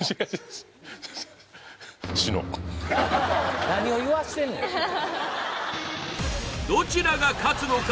志乃何を言わしてんねんどちらが勝つのか